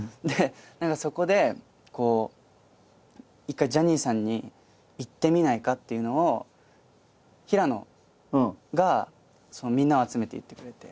何かそこでこう一回ジャニーさんに言ってみないかっていうのを平野がみんなを集めて言ってくれて。